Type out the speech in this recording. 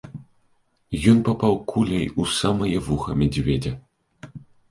Ён папаў куляй у самае вуха мядзведзя.